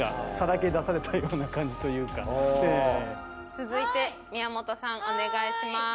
続いて宮本さんお願いします。